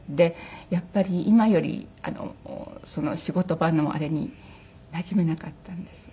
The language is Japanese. やっぱり今より仕事場のあれになじめなかったんです。